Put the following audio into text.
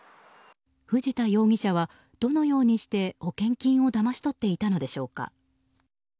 藤田容疑者はどのようにして保険金をだまし取っていたのでしょうか。